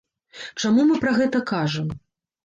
Чаму мы пра гэта кажам?